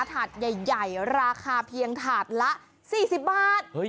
ถาดใหญ่ราคาเพียงถาดละ๔๐บาท